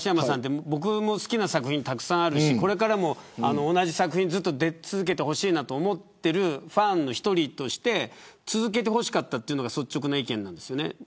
僕も好きな作品たくさんあるしこれからも出続けてほしいと思ってるファンの一人として続けてほしかったというのが率直な意見なんです。